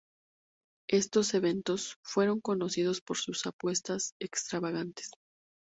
Estos eventos fueron conocidos por sus apuestas extravagantes.